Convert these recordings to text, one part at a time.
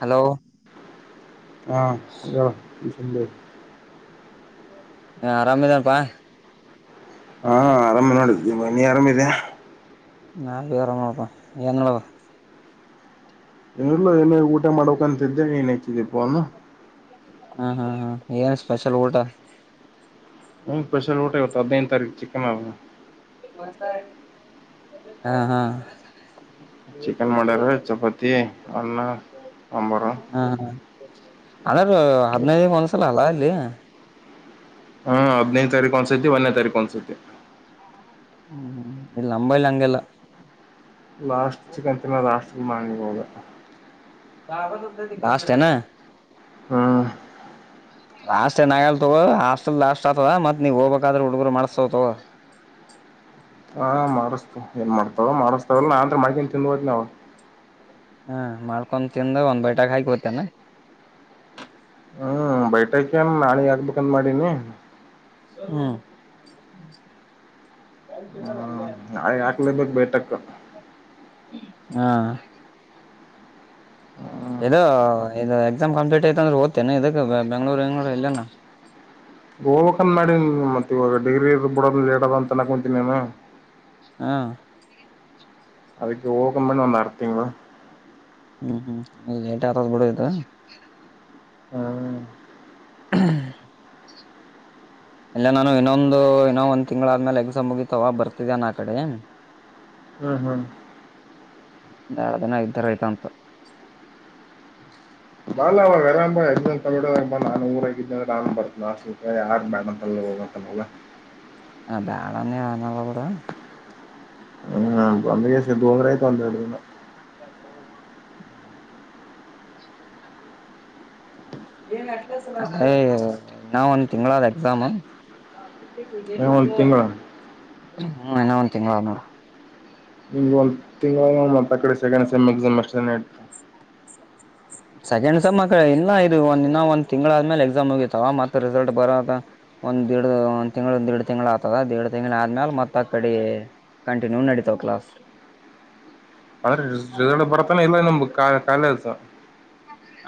Hello ಹಾ ಯ ಹ ಆರಾಮೇದಾಪಾ ಹಾ ಆರಾಮ ನೋಡಿದಿ ಬ ನೀ ಆರಾಮಿದ ನಾ ಬೇರೆಂಗಳಪ ನಿವ ಇಲ್ಲ ಏನ ಊಟ ಮಾಡ್ಕ್ಂತಿದ್ದೆ ಏನ್ ಹತಿದ್ದಿಪ್ಪ ಅನು ಹ ಹ್ಮ ಹ್ಮ ಏನ್ ಸ್ಪೆಷಲ್ ಊಟ ಹಂ ಸ್ಪೆಷಲ್ ಊಟ ಇವತ್ತು ಹದಿನೈದು ತಾರೀಕು ಚಿಕನ್ ಆಗ ಹಾ ಹಾ ಚಿಕನ್ ಮಾಡ್ಯಾರ ಚಪಾತಿ ಅನ್ನ ಸಾಂಬಾರು ಹಣಾರ ಹದ್ನೈದ ಒಂದಸಲ ಅಲ್ಲ ಅಲ್ಲಿ ಹಾ ಹದ್ನೈದು ತಾರೀಕು ಒನ್ಸತಿ ಒಂದೇ ತಾರೀಕು ಒನ್ಸತಿ ಹ್ಮ್್ಮ ಇಲ್ಲ ಅಂಬ ಇಲ್ಲ ಹಂಗೆಲ್ಲ ಲಾಸ್ಟ್ ಚಕ್ಕಂತ ನ ಲಾಸ್ಟ್ ಮಾಡಂಗ ಹೋದ ಬಾಬ ಸ ಕಾಸ್ಟ್ ನ ಹಾ ಲಾಸ್ಟ್ ಏನಾಗಲ್ತ ಹಾಸ್ಟಲ್ ಲಾಸ್ಟ್ ಆತದ ಮತ್ ನೀವ ಹೋಗ್ಬೇಕಾದ್ರ ಹುಡುಗರು ಮಾಡಸ್ತವತವ ಹಾ ಮಾಡಿಸ್ತ ಏನ್ ಮಾಡ್ತಾವ ಮಾಡಿಸಸ್ತಾವಲ್ಲ ನಾ ಅಂದ್ರೆ ಮಕನ್ ತಿಂದು ಹೋದ ನಾವ್ ಹ್ಮ ಮಾಡ್ಕೊೊಂಡ ತಿಿಂದ ಒಂದು ಬಯಟಾ ಹಾಯಕತೇನೆ ಹ್ಮ್ ಬೈಟಕೇಏನು ನಾಳೆ ಆಗ್ಬೇಕಂದ ಮಾಡೀಿನಿ ಹ್ಮ ಹ್ಮ್ ನಾಳೆ ಯಾಕ್ಲಬೇಕಕ್ ಬೇಟಕ್ ಹಾ ಹ್ಮ್ ಇ ಇದು ಎಕ್ಸಾಮ್ ಕಂಪ್ಲೀಟ್ ಐತ ಅಂದ್ರೆ ದ್ತೇನೆ ಇದಕ್ ಬೆಂಗ್ಗಳೂರುಂಗ್ಗಳೂರ್ ಇಲ್ಲನ ಹ ಹೋಗವಕಂದ ಮಾಡಿ ಮತ್ತತ್ ಇವಾಗ ಡಿಗ್ರಿ ಇರ ಬಿಡೋದ ಲೇಟ್ ಅದ ಅಂತ ಅನಕ ಕುಂತೀನಿ ನೀ ಹಾ ಅದಕ್ಕೆ ಊಕಂಬ ಒಂದ ಅರ್ಥೀಂಗ ಹ್ಮ್ ಹ್ಮ್ ಲೇಟ್ ಆರ್ ಬಿಡದು ಹ್ಮ್ ಹ್ಮ ಇಲ್ಲ ನಾನು ಇನ್ನೊಂದು ಇನ್ನೊ ಒಂದ್ ತಿಂಗ್ಗಳಾದ್ಮೇಲೆ ಎಕ್ಸಾಮ್ ಮುಗಿತವ ಬರ್ತಿದಾನ ಆ ಕಡೆ ಹ ಹ್ಮ್ ಹ್ಮ್ ಾಳ ದನ ಇದ್ದಾರಐ್ತ ಅಂತ ಬಾಲ್ ಅವಾಗ ಅರಾಮ್ ಇಂತ ಬಿಡ ನಾನು ಊರಾಗಿದ್ದಡಾನ್ ಬರ್ತ ಆ ಸ ಯಾರು ಮೇಡ ಅಂತಲ್ಲ ಹೋಗಂತನಲ್ಲ ಆ ಬೇಡ ಅನ್ನ ಅನಲ್ಲ ಕೂಡ ಹ್ಮ್ ಒಂದ ಂಗ್ರ ಆಯತು ಒಂದ ಹ ಅಯ ನಾ ಒಂದ ತಿಂಗಗಳಾದ ಎಕ್ಸಾಮ್ ಏ ಒಂದು ತಿಂಗಳು ಹ್ಮ ಇನ ಒಂದ ತಿಂಗಳ ನೋಡ ನಿಮ ಒಂದ ತಿಗಳ ಮತ್ತ ಕಡೆ ಸೆಕೆಂಡ್ ಸೆಮ್ ಎಸಾಮ್ ಅಷ್ಟ ಇತ ಸೆಕೆಂಡ್ಸ ಮಕ್ಕಳ ಇಲ್ಲ ಇದು ಒಂದಿನ ಒಂದ ತಿಂಗಳ ಆದ್ಮೇಲೆ ಎಕ್ಸಾಮ್ ಹೋಗಿತವ ಮತ್ರ ರಿಸಲ್ಟ್ ಬರದ ಒಂದ್ ಎರಡ್ ಒಂದ್ ತಿಂ್ಳ ಒಂದ್ೆರಡ್ ತಿಂ್ಳ ಆಗ್ತದ ದೇಡ್ ತಿಂಗ್ಳ ಆದ್ಮೇಾಲ ಮತ್ತತ್ ಕಡೆ ಕಂಟಿನ್ಯೂ ನಡತಾವ ಕ್ಲಾಸ್ ಅ್ರೆ ಬರ್ತಾನ ಇಲ್ಲ ನಿಮ ಕಾಲ ಅಸ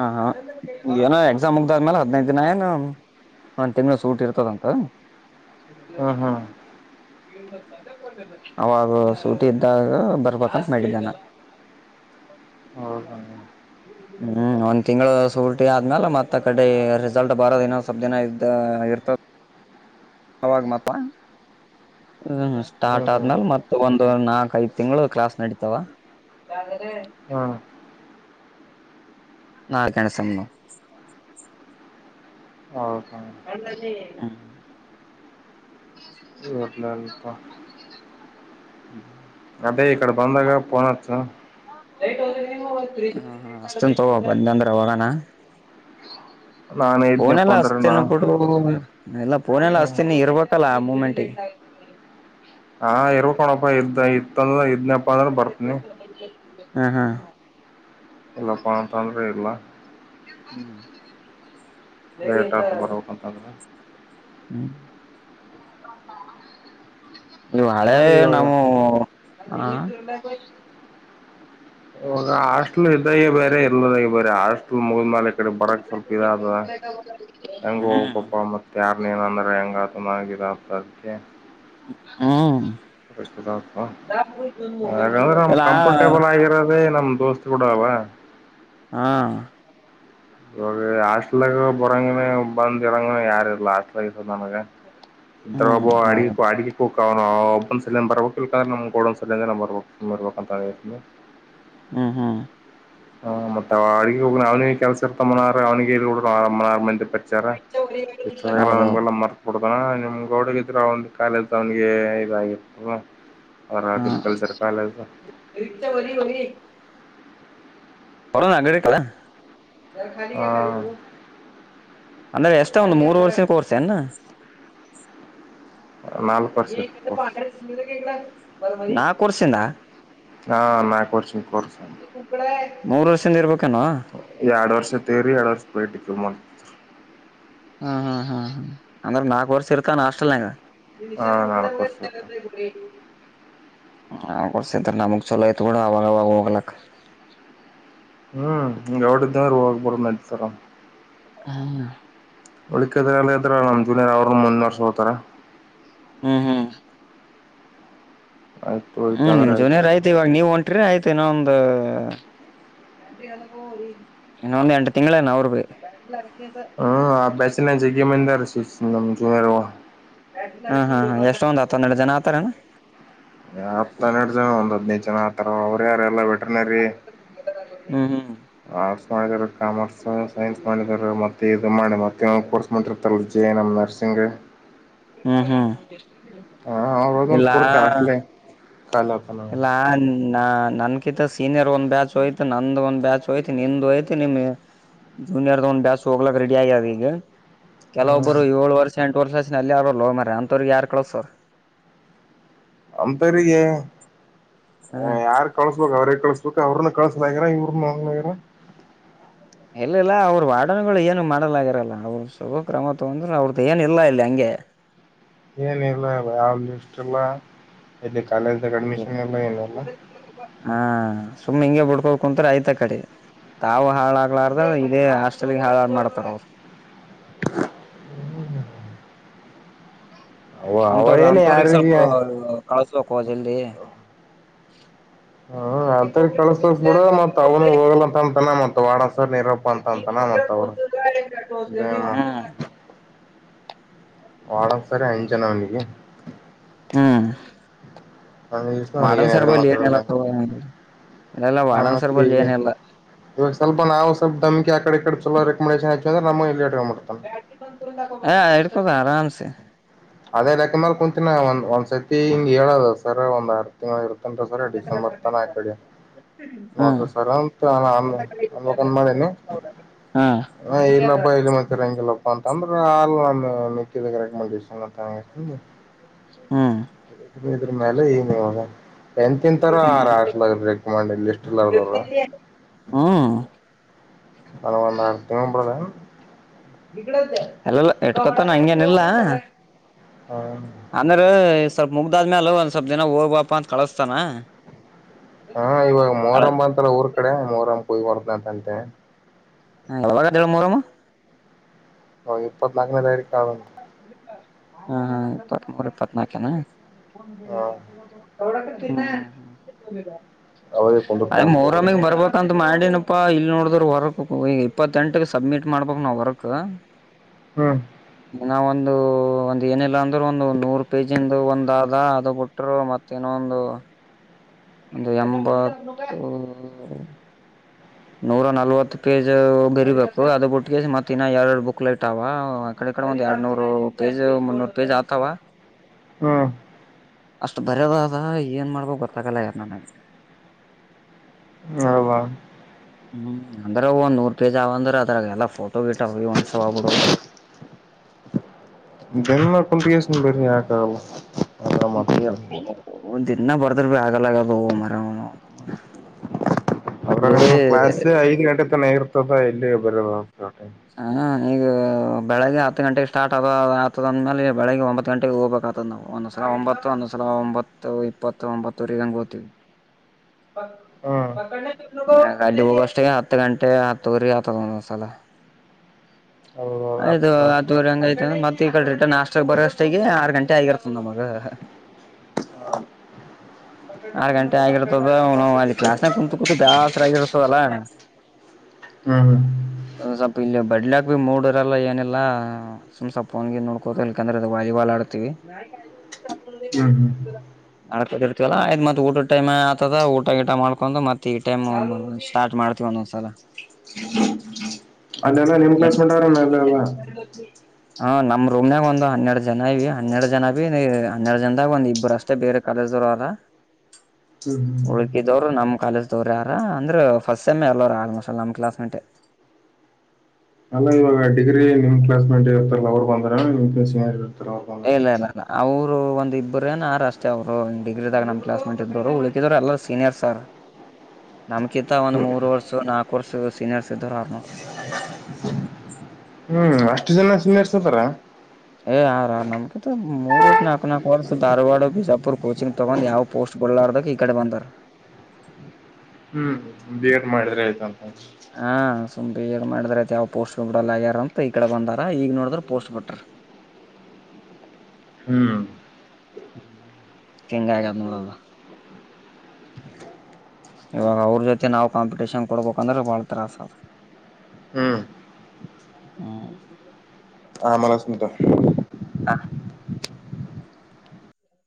ಹ ಹಾ ಏನೋ ಎಕ್ಸಾಮ್ ಮುಗ್ದಾದ್ಮೇಲೆ ಹದ್ನೈದು್ ದಿನ ಏನು ಹಾ ತೆಂಗಳಸ್ ಊಟ ಇರ್ತದಂತ ಹ್ಞೂ ಹ್ಞೂ ಅವಾಗ ಸೂಟಿ ಇದ್ದಾಗ ಬರ್ಬೇಕಂತ ಮಾಡಿದ್ದಾನ ಹೌದಾ ಹ್ಮ್ ಹ ಹ್ಮ್ ಒಂದ್ ತಿಂಗಗಳು ಸುಲ್ಟಿ ಆದ್ಮ್ಯಾಲ ಮತ್ತ ಕಡೆ ರಿಸಲ್ಟ್ ಬರೋದಿನ ಸ್ವಪ್ ದಿನ ಇದ್ದ ಇರ್ತದ ಅವವಾಗ ಮಾತ ಹ್ಮ್ ಸ್ಟಾರ್ಟ್ ಹ್ಮ್ ಆದ್ಮೇಾಲ ಮತ್ತ ಒಂದು ನಾಕ್ ಐದ್ ತಿಂಗಳು ಕ್ಲಾಸ್ ನಡತಾವ ಯಾದರೆ ಹಾಂ ನಾಲ್ ಗಣಸ ಹೌದಾ ನಲ್ಲದೇ ಹ ನಲ್ಪ್ಪ ಹ್ಮ್ ಅದೇ ಇಕಡೆ ಬಂದಾಗ ಪನಚ್ಚು ಹ ಹ ಅಷ್ಟನ್ ತಗ ಬಂದಂದ್ರೆ ಅವಾಗಾನ ನಾನ್ ಇದ್ನಪ್ಪ ನಲ್ಲ ಅಂದ್ರ ನಾ ಅತನು ಪಟ್ಟು ಎಲ್ಲ ಪಫೋನೆ ಎಲ್ಲ ಹಸ್ತೀನಿ ಇರ್ಬೇಕಲ್ಲ ಮೂಮೆಂಟ್ಗೆ ಹಾ ಇರ್ಕಣಪ್ಪ ಇದ್ದ ಇತ್ತಂದ್ರ ಇದ್ನಪ್ಪ ಅಂದ್ರ ಬರ್ತನಿ ಹ್ಮ ಹಾ ಇಲ್ಲ ಪಣ ತಂದರಿ ಇಲ್ಲ ಹ್ಮ್ ರೇಟ ಆಟ ಬರಂತರ ಹ್ಮ್ ಇವು ಹ ಹಳೆ ಇವಾಗ ನವು ಹ ಹಾಸ್ಟೆಲ್ ಇದಾಗ ಬೇರೆ ಇಲ್ಲದಾಗ ಬೇರೆ ಹಾಸ್ಟಲ್ ಮುಗದ ಮಾಲ ಈ ಕಡೆ ಬರಕ್ ಸ್ವಲ್ಪ ಇದಾದದ ಹೆಂಗ ಹೋಗ ಹ್ಮ್ ಪಪ್ಪ ಮತ್ತ ಯಾರ್ನ ನಂದ್ರ ಹೆಂಗ ಆತನಗಿದಸಧ್ಯೆ ಹ್ಮ ಷ್ಟಪ ಹಾಗಂದ್ರೆ ನಮ್ ಎಲ್ಲಾ ಕಂಫರ್ಟೇಬಲ್ ಆಗಿರೋದೇ ನಮ್ ದೋಸ್ತ್ ಕೂಡ ಅವಾ ಹ್ಮ್ ಇವಾಗ ಹಾಸ್ಲಾಗ ಬರಂಗನ ಬಂದ್ ಇರಂಗನ ಯಾರ ಇಲ್ಲ ಹ ಆಸ್ಟ್ಲ ನನಗೆ ಇದ್ರ ಹ್ಮ್ ಒಬ್ಬ ಅಡ ಹೌದು ಅಡ ಕೂ ನಾವವು ಒಬನ ಸಲಂದ ಬರ್ಬೇಕು ಇಲ್ಕಂದ್ರೆ ನಮ್ಮ ಗೋಡನ್ ಸಲಂದ್ರ ನ ಬರ್ಬೇಕು ಉಮರು ಬಕ ತಳತೀ ಹ್ಮ್ ಹ್ಮ್ ಹ ಮತ್ತೆ ಅವಳಗ ಹೋಗನ ಅವನಿಗೆ ಕೆಲ್ಸ ಇರ್ತ ಮನಾರ ಅವನಿಗೆ ಪ್ರಚಾರ ಎಷ್ಟಲ್ಲ ಹೌದು ನಮಗೆಲ್ಲ ಮಾರ್ತ ಕೊಡುತ್ತೆ ನಿಮ್ ಗೌಡಗ ಇದ್ರ ಒಂದು ಕಾಲಲ್ ಅವನಿಗೆ ಇದಾಗಿರ್ತ್ತಲ್ ಅವ ಹ್ಮ್ ಆಗ್ರಿಕಲ್ಚರ್ ಕಾಲೇಜ ಹೊರ ಕಲ ಹ ಅಂದ್ರೆ ಎಷ್ಟ ಒಂದು ಮೂರ್ ವರ್ಷ ಕೋರ್ಸ ನ್ನ ನಾಲ್ಕು ವರ್ಷ ನಾಲ್ಕು ವರ್ಷಿಂದ ಹಾ ನಾ ಕೊರ್ಚ ಕೊರ್ತ ಮೂರುರ್ಷಿಂದ ಇಬೇಕು ಎರಡ್ ವರ್ಷ ತೇರರಿ ಎರಡ್ ವರ್ಷ ಬೇಟ ಮ ಹ್ಮ್ ಹ್ಮ್ ಹ್ಮ್ ಹ್ಮ್ ಅಂದ್ರೆ ನಾಕಕ್ ವರ್ಷ ಇರ್ತಾಸ್ಟಲ್ನಂಗ ಹಾ ನಿಶಂತ ಮುಗಡ ನಾಲ್ಕು ವರ್ಷ ಇರ್ತ ಹ ಕೊಸಂತ ನಮುಕ ಚಲೋಯತುಾಗಾಗ ಹೋಗಲ ಹ್ಮ್ ಎಡ ಇದ್ದ ಹೂ ಹಾಗ ಬರೋ ತರ ಹ ಉಳಿಕದ್ರಲ್ಲ ಅದ್ರ ನಮ ಜೂನಿಯರ್ ಅವರು ಮುಂದ ವರ್ಸ ಹೋತಾರ ಹ್ಮ್ ಹ್ಮ್ ಆಯ್ತು ಹೋಯ್ತು ಹ್ಮ್ ಅಂದ್ರೆ ನಿಮ್ ಆಯ್ತು ಜೋನಿಯಾರ ಆಯ್ತ ಇವಾಗ ನೀವ್ ಹೊಂಟ್ರಿ ಆಯ್ತ ಇನ್ನೊಂದು ಇನ್ನು ಒಂದು ಎಂಟ ತಿಂನ್ನ ಅವರು ಹ್ಮ್ ಆ ಬ್ಯಾಚನ ಜಗ್ಯ ಮ ಅಂದ ನ ಜುನ ಹ್ಮ್ ಹ್ಮ ಎಷ್ಟೊಂದ್ ಆತ ಒಂದೆರಡು ಜನ ಆತಾರನಾ ಹನ್ನೆರಡು ಜನ ಒಂದ ಹದ್ನೈದು ಜನ ಆತರ ಅವರ ಯಾರ ಎಲ್ಲ ಬಿಟ್ಟ ಹ್ಮ್ ಹ್ಮ್ ಆರ್ಟ್ಸ್ ಮಾಡಾರ ಕಾಮರ್ಸ್ ಸೈನ್ಸ್ ಮಾಡಿದಾರ ಮತ್ತೆ ಇ ಮಾಡಿ ಮತ್ತೆ ಕೋರ್ಸ್ ಮಾಡ್ರ ಕ್ಟಲ್ ಜಯನಂ ನರ್ಸಿಂಗ್ ಹ್ಮ್ ಹ್ಮ್ ಹಾ ಅವಾಗೇನ್ ಇಲ್ಲಾ [unintelligible] ಹಾಸ್ಟ್ಲೆ ತಲೆತ್ತಲ್ಲ. ಇಲ್ಲಾ ನಾ ನನ್ಕಿಂತ ಸೀನಿಯರ್ ಒಂದ್ ಬ್ಯಾಚ್ ಹೋಯ್ತು ನಂದಂದು ಒಂದ್ ಬ್ಯಾಚ್ ಹೋಯ್ತ್ ನಿಂದ್ ಹೋಯ್ತ್ ನಿಮ್ಗೆ ಜೂನಿಯರ್ದ ಒಂದ್ ಬ್ಯಸ್ ಹೋಗ್ಲಕ್ ರೆಡಿ ಆಗ್ಯದ ಈಗ ಹ್ಮ್ ಕೆಲವೊಬ್ಬರು ಏಳ ವರ್ಷ ಎಂ ಪೊಲೀಸ್ ಸೇಷನ್ ಅಲ್ಲೆ ಅದಲ್ಲೋ ಮಾರಯ ಅಂತವ್ರಿಗೆ ಯಾರ್ ಕಳಸ್ತಾರ್ ಅಪೇರಿಗೆ ಹ ಯಾರ್ ಕಳ್ಸ್ಬೇಕಕ್ ಅವ್ರೇಗ್ ಕಳ್ಸ್ಬೇಕು ಅವ್ರನು ಕಳಸಲಾಗರ ಇವ್ರನುಗರ ಇಲ್ಲಿಲ್ಲ ಅವ್ರ ವಾಡನ್ಗಳು ಏನು ಮಾಡಲಾಗಿರಲ್ಲ ಅವ್ರ ಶುಭ ಕ್ರಮ ತೊಂದ್ರೆ ಅವ್ರ್ದ ಏನ ಇಲ್ಲ ಇಲ್ಲಿ ಹಂಗೆ [inaudible] ಏನಲ್ಲ ಇ ಯಲ್ಲಿ ಇಷ್ಟಲ್ಲ ಕಾಲಜ್ದ ಅಡ್ಮಿಶನ್ ಎಲ್ಲ ಏನಲ್ಲ ಹಾ ಸುಮ್ಮ್ ಹಿಂಗಗೆ ಬಿುಡ್ಕೋ ಕುಂತ್ರ ಆಯ್ತಾ ಕಡೆ ತಾವು ಹಾಳಾಗ್ಲಾರ್ದ ಇದೇ ಹಾಸ್ಟೆಲ್ಗೆ ಹಾಳಾಡ್ ಮಾಡತಾರ ಅವರು [inaudible] ಅವ ಅವ ಅಂಂತವರು ಏನ ಅಂತವ್ರಿಗೆ ಸ್ವಲ್ಪ ಯಾರಿಗೆ ಕಳ್ಸ್ಬೇಕು ಜಲ್ದಿ ಹ್ಮ ಅಂತರಿ ಕಳಸ ಬಿಡ ಮತ್ ಅವ್ನು ಹೋಗಲಂತ ಅಂತನ ಮತ್ ವಡ ನೀರಪ್ಪ ಅಂತ ಅಂತಾನ ಮತ್ತ [unintelligible] ಹ್ಮ್ ವಾರ್ಡನ್ ಸರಿ ಅಂಜನ ಅವ್ನಿಗಿ ಹ್ಮ್ ವಾರ್ಡನ್ ಸರ್ [unintelligible] ಬಲ್ಲಿ ಏನಿಲ್ಲ ಮಾತಾಡೋಲ್ಲ. ತಗೋ ಇಲ್ಲಲ್ಲ ಹ ವಾರ್ಡನ್ ಸರ್ ಮತ್ತೆ ಬಲ್ಲಿ ಹೀಗೆ ಏನಿಲ್ಲ ಇವಾಗ ಸ್ವಲ್ಪ ನಾವು ಸ್ವಲ್ಪ ದಮಕಿ ಆ ಕಡೆ ಕತೀವಿ ರೆಕಮಂಡೇಶನ್ ಹಾಕ್ಯಾರ ನಮ್ ಇಲ್ಲೇ ಇಟ್ಕೊಂಡ್ ಬಿ ಹ ಇಡ್ಕೋದ ಆರಾಮ ಸೆ ಅದೇದಾಕ ಮ್ರ ಕುಂತಿನ ಒಂದ್ ಒಂದ್ಸರ್ತಿ ಹಿಂಗಗೆ ಹೇಳದ ಸರ ಒಂದ್ ಆರ್ ತಿಂಗಳು ಇರುತ್ತೆ ಂತ ಸರ ಡಿಸೆಂಬರ್ ತಾನ ಆಕಡೆ ಹ್ಮ್ ನೋಡ್ರಿ ಸರ್ ಅಂತ ಅಮಕಂದ ಮಾಡನಿ ಹಾ ಹ ಇಲ್ಲಪ ಇಲ್ಲಿ ಮತ್ತರ ಹಂಗೆಲ್ಲಪ್ಪಾ ಅಂತ ತ್ರ ಆ [unintelligible] ಹ್ಮ ಇದ್ರ ಮೇಲೆ ಈ ನೀವ ಎಂತೆಂಥರಾ ಹಾಸ್ಲಗ್ ಬ್ರೇಕ್ ಮಾಡಿ ಲಿಸ್ಟ್ ಲಾಗಿದ್ದರ ಹ್ಮ್ ಬರ್ತದೇನ್ ಎಲ್ಲಲ್ಲ ಇಟ್ಕೊತಾನ ಹಂಗೆನಿಲ್ಲಾ ಹಾ ಅಂದ್ರ ಸ್ವಲ್ಪ್ ಮುಗ್ದಾದ್ಮ್ಯಾಲ ಒಂದ್ ಸ್ವಲ್ಪ್ ದಿನ ಹೋಗ್ಬಾಪ ಅಂತ್ ಕಳಸ್ತಾನ. ಹಾ ಇವಾಗ ಮೊಹರಂ ಅಂತಲ್ಲ ಊರ್ ಕಡೆ ಮೊಹ್ರಂ ಕೊಯ್ ಬರ್ತ್ನ್ ಅಂತಂತೆ. [unintelligible] ಮೂರಮ್ಮ ಓ ಇಪ್ಪತ್ನಾಲ್ಕನೇ ತಾರಿಕ್ ಆವೆ ಹಾ ಇಪ್ಪತ್ತ್ತ್ನೂರ ಇಪ್ಪತ್ನಾಕೆನಾ ಹಾ ಅವಾಗೆ ಕುಂದಿರ್ತಾವ ಅದೇ ಅಂತ ದೇವ್ರು ಮೊರಮಿಗ್ ಬರ್ಬಂತ ಮಾಡಿ ನಪಾ ಇಲ್ಲಿ ನೋಡಿದ್ರ ವರಕ್ ಈಗ ಇಪ್ಪತ್ತೆಂಟಗ ಸಬ್ಮಿಟ್ ಮಾಡ್ಬಕ್ ನಾವ್ ವರಕ್ ಹ್ಮ್ ನಾವ ಒಂದು ಒಂದ ಏನಿಲ್ಲ ಅಂದ್ರೆ ಒಂದು ನೂರು ಪೇಜಿಂದು ಒಂದ ಆದ ಅದು ಬಿಟ್ಟರು ಮತ್ತೇನೊಂದು ಹ ಒಂದು ಎಂಬತ್ತು ನೂರ ನಲ್ವತ್ತು ಪೇಜ್ ಬೆರೀಬೇಕು ಅದ ಬಿಟ್ಟಿಗೆ ಮತ್ತ ಇನ್ನ ಎರಡು ಬುಕ್ ಲೇಟ್ ಅವ ಕಡೆ ಒಂದ್ ಎರಡ್ನೂರು ಪೇಜ್ ಮುನ್ನೂರು ಪೇಜ್ ಆತವ ಹ್ಮ್ ಅಷ್ಟ್ ಬರದ ಅದ ಏನ್ ಮಾಡ್ಬೇಕೋ ಗೊತ್ತಾಗಲ್ಲ ಯಾರು ನನಗೆ ಹೌದಾ ಹ್ಮ್ ಅಂದ್ರೆ ಒಂದ್ ನೂರ್ ಪೇಜ್ ಅವಂದ್ರ ಅದ್ರಾಗ ಎಲ್ಲಾ ಫೋಟೋ ಗೀಟ್ ಅವ ಒಣ್ಸೋಗ್ಬಿಡ [unintelligible] ಹ ಮಾತಾಡ್ತಾರೆ [unintelligible] ಒಂದ್ ದಿನ್ನ ಬರ್ತಾರ ಭ ಆಗಲ್ಲಾಗ ಮರ ಅವರ ಇಲ್ಲಿ ನಮ್ಮ ಕ್ಲಾಸ್ ಐದು ಗಂಟೆ ತ ಇರ್ತದ ಎಲ್ಲಿ [unintelligible] ಹ ಈಗ ಬೆಳಗ್ಗೆ ಹತ್ತು ಗಂಟೆಗೆ ಸ್ಟಾರ್ಟ್ ಆದ ಆತದಂದ ಮೇಲೆ ಬೆಳಗ್ ಒಂಬತ್ತು ಗಂಟೆಗೆ ಹೋಗ್ಬೇಕ ಆತದ ನಾವು ಒಂದ್ಸಲ ಒಂಬತ್ತು ಒಂದ ಲ ಒಂಬತ್ತು ಇಪ್ಪತ್ತು ಒಂಬತ್ತೂರಂಗ ಹ್ಮ್ [unintelligible] ಅಲ್ಲಿ ಹೋಗುವ ಅಷ್ಟೇ ಹತ್ತು ಗಂಟೆ ಹತ್ತೂರಿ ಹದೊಂಸಲ ಹೌದೌದು ಆಯ್ದು ಅರ್ಥ ಆಯ್ತು. ಹತ್ತೂವರೆಂಗ್ ಆಯ್ತು ಅಂದ್ರೆ ಕಳರಿಟರ್ನ್ ನಾಸ್ಟರ್ ಬರೋಷ್ಟಗೆ ಆರ್ ಗಂಟೆ ಆಗಿರ್ತನ್ ನಮಗ [inaudible] ಆರ್ ಗಂಟೆ ಆಗಿರ್ತದ ಅಲ್ಲಿ ಕ್ಲಾಸ್ನಾಗ ಕುಂತು ಕುೂಂತು ಬ್ಯಾಸರ ಆಗಿರ್ತದಲ್ಲಾ ಹ್ಮ ಸ್ವಲ್ಪ ಇಲ್ಲಿ ಬಡ್ಲಾಕ್ ಭ ಮೂಡ ಇರಲ್ಲ ಏನಿಲ್ಲ ಸುಸ ಫೋನ್ಗೆ ನೋಡ್ಕೋತ ಇಂದ್ರೆ ಅದು ವಾಲಿಬಾಲ್ ಆಡ್ತತಿವಿ ನ ಕಾಯ ಹ್ಮ್ ಹ್ಮ್ ಆಡಕದ ಇರ್ತವಲ್ಲಾ ಆಯ್ತ್ ಊಟ ಟೈಮ್ ಆತದ ಊಟ ಗಿಟ ಮಾಡ್ಕೊಂಡು ಮತ್ತತ್ ಈ ಟೈಮ್ ಸ್ಟಾರ್ಟ್ ಮಾಡ್ತ ನ ಸಾರ ಅದೆಲ್ಲ ನಿಮ್ ಕ್ಲಸ್ ಮಾಡಟ್ರ ಎಲ್ಲಲ್ಲ ಹ ನಮ್ ರೂಮ್ನಾಗ ಒಂದು ಹೆರಡ್ ಜನೀ ಹನ್ನೆರಡ್ ಜನೀ ಹನ್ನೆಡ್ ಜನದಾಗ ಒ ಇಬ್ಬರು ಅಷ್ಟೇ ಬೇರೆ ಕಾಲೇಜ್ದ ಹ್ಮ್ ಹಳಕಿದವರು ನಮ್ಮ ಕಾಲಜ ಯಾರ ಅಂದ್ರ ಫಸ್ಟ್ ಸೆಮ್ ಎಲ್ಲೋರ ಆಲ್ಮೋಸ್ಟ್ ನಮ್ ಕ್ಲಾಸ್ ಮಂಟೆ ಅಲ್ಲ ಇವಾಗ ಡಿಗ್ರಿ ನಿಮ್ ಕ್ಲಾ ಮೇಟ್ ಇರ್ತಲ್ಲ ಅವರ್ ಬಂದಾರರ್ ಇಲ್ಲ ಇಲ್ಲ ಇಲ್ಲ ಅವವು ರು ಒಂದ ಇಬ್ರು ಏನ್ರ ಅಷ್ಟೇ ಅವರು ಡಿಗ್ರಿದಾಗ ನಮ್ ಕ್ಲಾಸ್ ಮಾಡಂಟ್ ಇದ್ರು ಉಳುಕಿದ್ರು ಎಲ್ಲರು ಸೀನಿಯರ್ ಸರ್ [unintelligible] ನಮ್ಕಿಂತ ಒಂದ್ ಮೂರ್ ವರ್ಷ ನಾಕು ವರ್ಷ ಸೀನಿಯರ್ಸ್ ಇದ್ದರು ಆರ್ನೋರು ಹ್ಮ್ ಅಷ್ಟು ಜನ ಸುನ್ನರ್ಸತಾರ ಏ ಆರ ನಮ್ ಮೂರ್ ವರ್ಷ ನಾಕಕ್ ನಾಲ್ಕು ವರ್ಷ ಧಾರವಾಡ ಬಿಜಾಪುರ್ ಕೋಚಿಂಗ್ ತೊಗೊಂಡ್ ಯಾವ ಪೋಸ್ಟ್ ಬಲಲಾರದ ಇ ಕಡೆ ಬಂದಾರ ಹ್ಮ್ ಬಿ ಎಡ್ ಮಾಡಿದ್ರೆ ಆಯ್ತಂತ ಹ ಸುಮ್ ಏಡ್ ಮಾಡಿದಾರ ಐತ್ ಯಾವ ಪೋಸ್ಟ್ ಬಿ ಬಿಡಲ್ಲಗ್ಯಾರ ಅಂತ ಈ ಕಡೆ ಬಂದಾರ ಈಗ ನೋಡಿದ್ರ ಪೋಸ್ಟ್ ಬಿಟ್ರ ಹ್ಮ್ [unintelligible] ಕೆಂಗಂಗಾಯಗ ನಲ್ಲ ಇವಾಗ ಅವ್ರ ಜೊತೆ ನಾವವು ಕಾಂಪಿಟಷನ್ ಕೊಡ್ಬೇಕಂದ್ರೆ ಬಾಳ ತತ್ರಾಸ್ ಅ ಹ್ಮ್ ಹ್ಮ ಹ ಮಲ ಸಟ